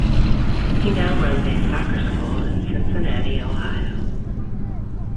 He now runs a soccer school in Cincinnati, Ohio.